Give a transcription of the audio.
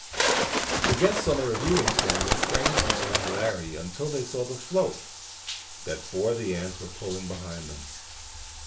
The guests on the reviewing stand refrained from any hilarity until they saw the float that four of the ants were pulling behind them.